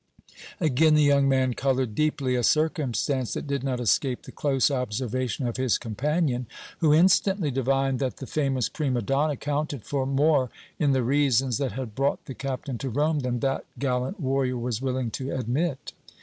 Again the young man colored deeply, a circumstance that did not escape the close observation of his companion, who instantly divined that the famous prima donna counted for more in the reasons that had brought the Captain to Rome than that gallant warrior was willing to admit.